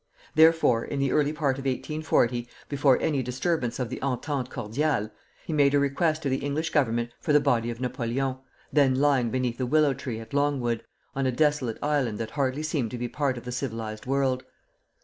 Therefore in the early part of 1840, before any disturbance of the entente cordiale, he made a request to the English Government for the body of Napoleon, then lying beneath a willow tree at Longwood, on a desolate island that hardly seemed to be part of the civilized world.